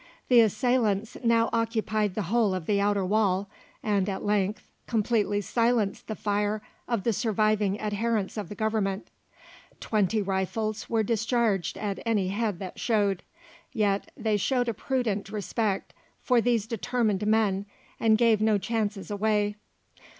The assailants now occupied the whole of the outer wall, and at length completely silenced the fire of the surviving adherents of the Government. Twenty rifles were discharged at any head that showed; yet they showed a prudent respect for these determined men, and gave no chances away.